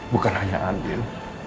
bukan hanya andin